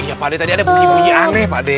iya pak d tadi ada bunyi angin